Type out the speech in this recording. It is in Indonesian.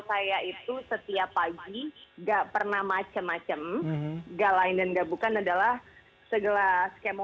saya itu setiap pagi enggak pernah macem macem gak lain dan gak bukan adalah segelas kemo